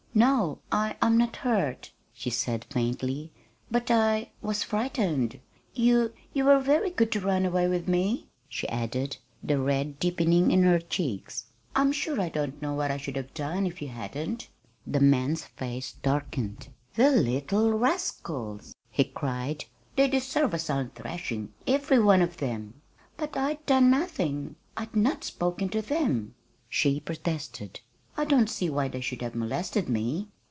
"No, I I'm not hurt," she said faintly; "but I was frightened. You you were very good to run away with me," she added, the red deepening in her cheeks. "I'm sure I don't know what I should have done if you hadn't." The man's face darkened. "The little rascals!" he cried. "They deserve a sound thrashing every one of them." "But I'd done nothing I'd not spoken to them," she protested. "I don't see why they should have molested me."